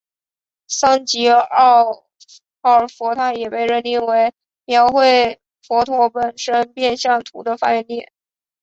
桑吉二号佛塔也被认定为描绘佛陀本生变相图的发源地。